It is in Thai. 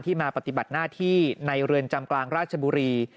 มาปฏิบัติหน้าที่ในเรือนจำกลางราชบุรี